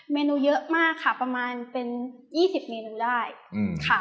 เมนูเยอะมากค่ะประมาณเป็น๒๐เมนูได้ค่ะ